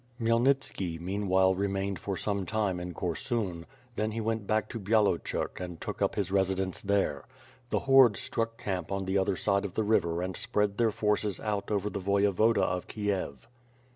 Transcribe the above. Khmyelnitski meanwhile remained for some time in Kor 8un; then he went back to Byalocerk and took up his residence there. The horde struck camp on the other side of the river and spread their forces out over the Voyevoda of Kiev.